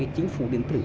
chính phủ điện tử